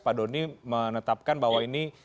pak doni menetapkan bahwa ini